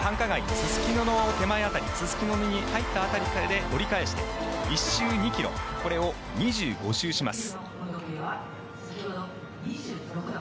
すすきのの手前辺りすすきのに入った辺りで折り返して１周２ｋｍこれを２５周します。